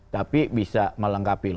tapi bisa melengkapi